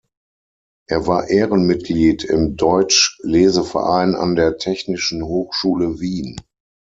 Er war Ehrenmitglied im Deutsch Leseverein an der Technischen Hochschule Wien.